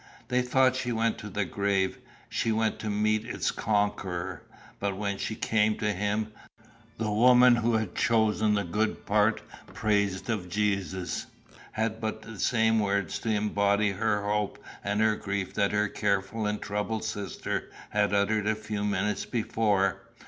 They thought she went to the grave: she went to meet its conqueror. But when she came to him, the woman who had chosen the good part praised of Jesus, had but the same words to embody her hope and her grief that her careful and troubled sister had uttered a few minutes before.